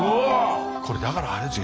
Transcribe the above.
これだからあれですよ。